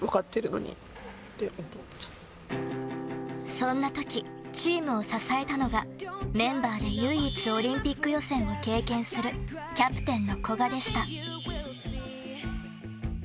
そんなときチームを支えたのがメンバーで唯一オリンピック予選を経験するキャプテンの古賀でした。